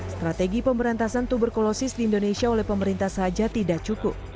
strategi pemberantasan tuberkulosis di indonesia oleh pemerintah saja tidak cukup